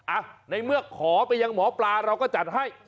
อ่ะในเมื่อขอไปยังหมอปลาเราก็จัดให้